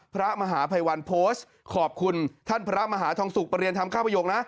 พระมหาภัยวันโพสต์ขอบคุณท่านพระมหาทองสุกประเรียนทำข้าวประโยคนะ